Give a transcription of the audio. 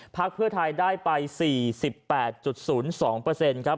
พักเพื่อไทยได้ไป๔๘๐๒ครับ